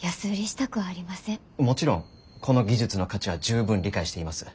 もちろんこの技術の価値は十分理解しています。